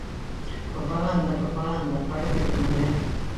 Propaganda, propaganda, parece que non é.